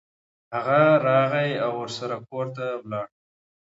هغه راغی او ورسره کور ته ولاړو.